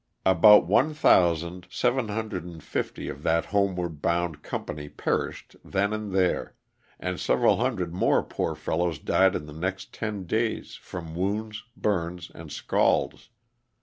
About 1,750 of that homeward bound company perished then and there, and several hundred more poor fellows died in the next ten days from wounds, burns and scalds.